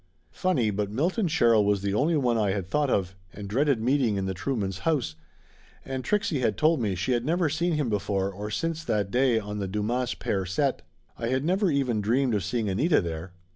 Funny, but Milton Sherrill was the only one I had thought of, and dreaded meeting in the True mans' house, and Trixie had told me she had never seen him before or since that day on the DuMas Pear set. I had never even dreamed of seeing Anita there.